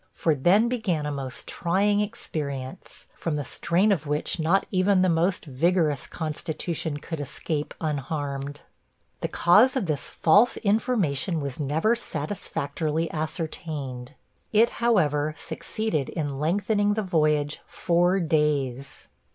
For then began a most trying experience, from the strain of which not even the most vigorous constitution could escape unharmed. The cause of this false information was never satisfactorily ascertained. It, however, succeeded in lengthening the voyage four days.